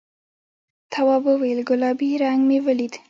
تواب وویل گلابي رنګ مې ولید.